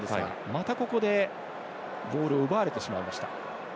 また、ここでボールを奪われてしまいました。